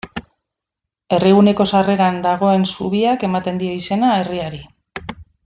Herriguneko sarreran dagoen zubiak ematen dio izena herriari.